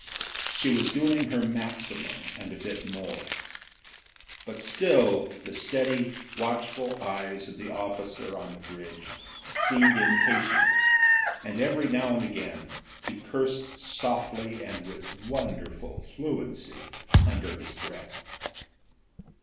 She was doing her maximum and a bit more, but still the steady, watchful eyes of the officer on the bridge seemed impa tient, and every now and again he cursed softly and with wonderful fluency under his breath.